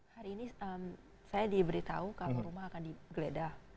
hari ini saya diberitahu kapan rumah akan digeledah